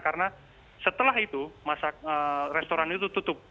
karena setelah itu restoran itu tutup